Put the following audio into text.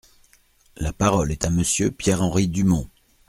La parole est à Monsieur Pierre-Henri Dumont.